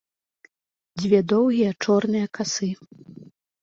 Дзве доўгія чорныя касы.